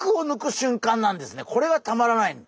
これがたまらない。